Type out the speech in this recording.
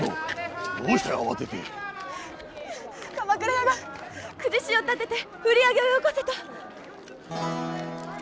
鎌倉屋が公事師を立てて「売り上げをよこせ」と。